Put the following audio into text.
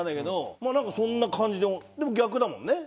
まあなんかそんな感じででも逆だもんね？